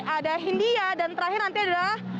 ada hindia dan terakhir nanti adalah